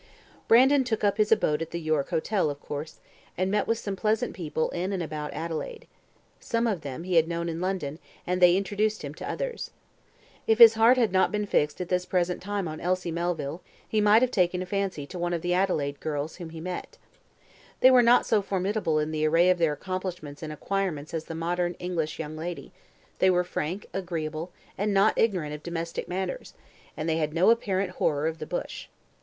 Brandon took up his abode at the York Hotel, of course, and met with some pleasant people in and about Adelaide. Some of them he had known in London, and they introduced him to others. If his heart had not been fixed at this present time on Elsie Melville, he might have taken a fancy to one of the Adelaide girls whom he met. They were not so formidable in the array of their accomplishments and acquirements as the modern English young lady; they were frank, agreeable, and not ignorant of domestic matters, and they had no apparent horror of the bush.